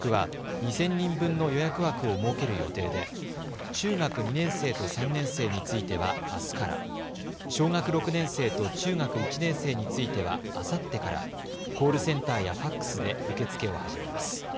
区は２０００人分の予約枠を設ける予定で中学２年生と３年生についてはあすから、小学６年生と中学１年生についてはあさってからコールセンターやファックスで受け付けを始めます。